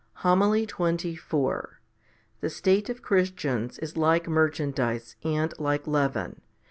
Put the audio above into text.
HOMILY XXIV The state of Christians is like merchandise, and like leaven.